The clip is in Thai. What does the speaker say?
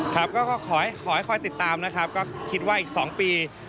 ครับก็ขอให้คอยติดตามนะครับก็คิดว่าอีก๒ปี